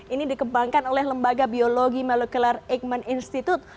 ini dikembangkan oleh lembaga biologi molecular aikman institute